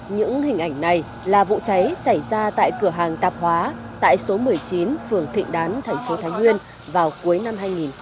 những hình ảnh này là vụ cháy xảy ra tại cửa hàng tạp hóa tại số một mươi chín phường thịnh đán thành phố thái nguyên vào cuối năm hai nghìn một mươi tám